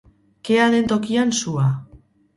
Kea den tokian sua.